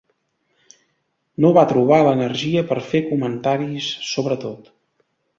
No va trobar l'energia per fer comentaris sobre tot.